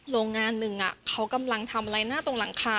โรงงานหนึ่งเขากำลังทำอะไรหน้าตรงหลังคา